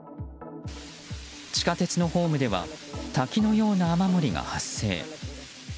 地下鉄のホームでは滝のような雨漏りが発生。